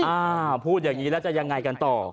อ่าพูดอย่างนี้แล้วจะยังไงกันต่อ